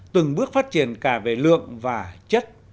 từng bước phát triển cả về lượng và chất